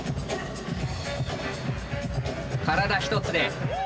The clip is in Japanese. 体一つで。